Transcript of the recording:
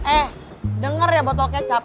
eh denger ya botol kecap